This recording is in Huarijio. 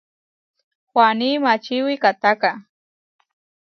Waní mačí wikahtáka.